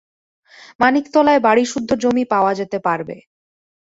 মানিকতলায় বাড়িসুদ্ধ জমি পাওয়া যেতে পারবে।